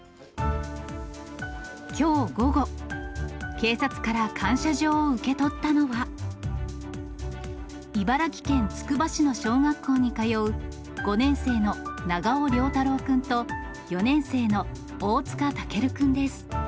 警察から感謝状を受け取ったのは、茨城県つくば市の小学校に通う、５年生の長尾凌太郎君と４年生の大塚尊君です。